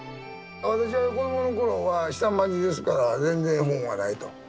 私は子どもの頃は下町ですから全然本はないと。